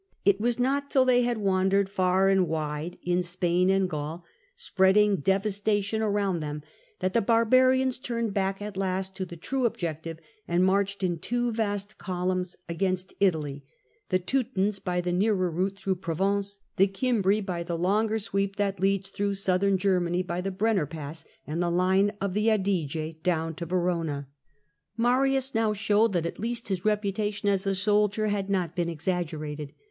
It was not till they had wandered far and wide in Spain and Gaul, spreading devastation around them, that the barbarians turned back at last to the true objective, and marched in two vast columns against Italy, the Teutons by the nearer route through Provence, the Gimbri by the longer sweep that leads through Southern Germany, by the Brenner Pass and the line of the Adige, down to Verona. Marius now showed that at least his reputation as a soldier had not been exaggerated.